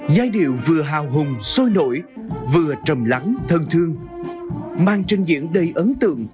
giai điệu vừa hào hùng sôi nổi vừa trầm lắng thân thương mang trình diễn đầy ấn tượng